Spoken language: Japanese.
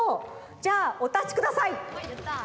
じゃあおたちください！